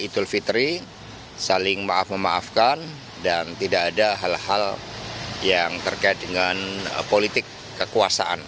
idul fitri saling maaf memaafkan dan tidak ada hal hal yang terkait dengan politik kekuasaan